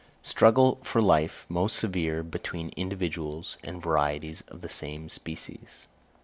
_Struggle for Life most severe between Individuals and Varieties of the same Species.